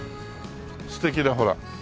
素敵なほら。